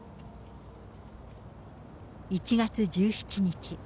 １月１７日。